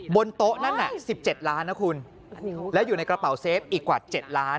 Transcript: บนโต๊ะนั่นน่ะ๑๗ล้านนะคุณแล้วอยู่ในกระเป๋าเซฟอีกกว่า๗ล้าน